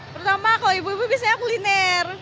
pertama kalau ibu ibu biasanya kuliner